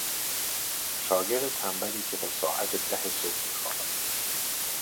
شاگرد تنبلی که تا ساعت ده صبح میخوابد.